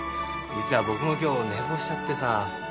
実は僕も今日寝坊しちゃってさ。